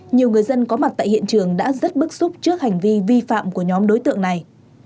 nhiều người dân có mặt tại hiện trường đã rất bức xúc trước hành vi vi phạm của nhóm đối tượng này